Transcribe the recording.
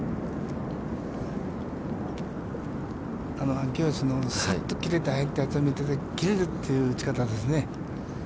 秋吉のすっと切れて入ったやつを見てて、切れるっていう打ち方ですね。